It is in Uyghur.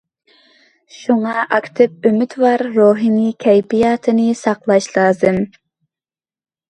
شۇڭا، ئاكتىپ، ئۈمىدۋار روھىي كەيپىياتنى ساقلاش لازىم.